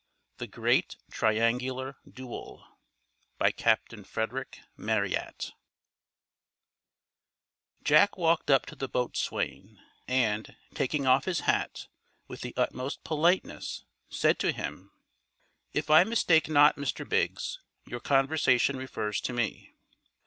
THE GREAT TRIANGULAR DUEL By CAPTAIN FREDERICK MARRYAT Jack walked up to the boatswain, and, taking off his hat, with the utmost politeness, said to him: "If I mistake not, Mr. Biggs, your conversation refers to me."